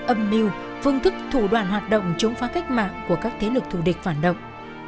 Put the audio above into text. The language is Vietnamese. âm mưu phương thức thủ đoàn hoạt động chống phá cách mạng của các thế lực thù địch phản động